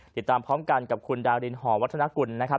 ติดตามพร้อมกันกับคุณดารินหอวัฒนากุลนะครับ